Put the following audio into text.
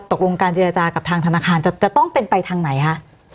ตกลงการเจรจากับทางธนาคารจะต้องเป็นไปทางไหนคะ